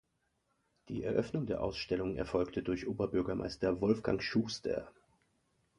Die Eröffnung der Ausstellung erfolgte durch Oberbürgermeister Wolfgang Schuster.